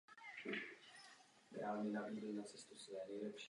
Kvůli hrozící pokutě se však přesto musí realizovat.